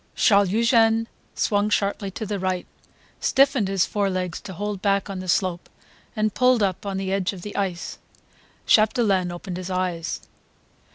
Charles Eugene swung sharply to the right, stiffened his forelegs to hold back on the slope and pulled up on the edge of the ice. Chapdelaine opened his eyes.